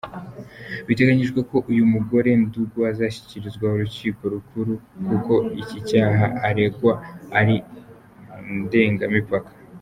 Biteganijwe ko uyu mugore Ddungu azashyikirizwa Urukiko rukuru kuko iki cyaha aregwa ari ndengamipaka.